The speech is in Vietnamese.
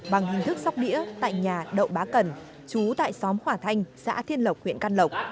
bằng hình thức sóc đĩa tại nhà đậu bá cần chú tại xóm hòa thanh xã thiên lộc huyện căn lộc